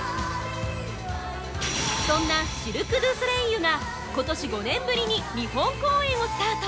そんなシルク・ドゥ・ソレイユがことし５年ぶりに日本公演をスタート！